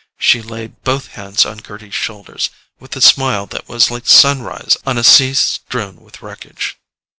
She laid both hands on Gerty's shoulders, with a smile that was like sunrise on a sea strewn with wreckage.